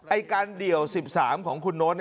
ไอ้การเดี่ยว๑๓ของคุณโน๊ต